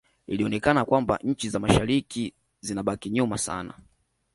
Ilionekana ya kwamba nchi za mashariki zilibaki nyuma sana